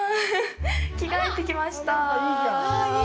着替えてきました。